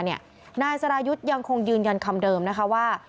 นายสรายุทธ์ยังคงยืนยันคำเดิมนะคะว่า